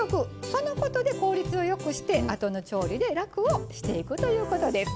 そのことで効率をよくしてあとの調理で楽をしていくということです。